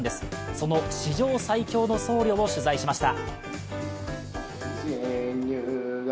その史上最強の僧侶を取材しました。